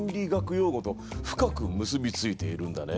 用語と深く結びついているんだね。